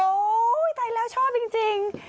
ตายแล้วชอบจริง